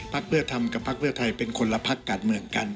พักเพื่อธรรมกับพักเพื่อไทยเป็นคนละพักกันเหมือนกัน